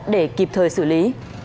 để kịp thời xử lý